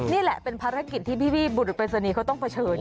นี่แหละเป็นภารกิจที่พี่บุรุษปริศนีย์เขาต้องเผชิญ